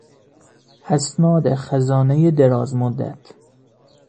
اسناد خزانهی دراز مدت